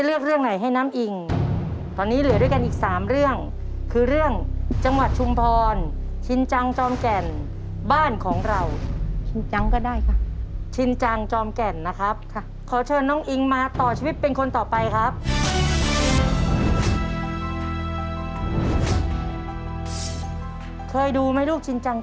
สิบหลายสิบหลายสิบหลายสิบหลายสิบหลายสิบหลายสิบหลายสิบหลายสิบหลาย